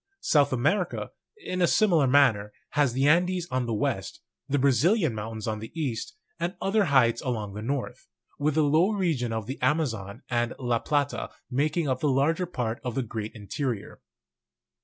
South America, in a similar manner, has the Andes on the west, the Brazilian Mountains on the east, and other heights along the north, with the low region of the Ama zon and La Plata making up the larger part of the great 1 interior.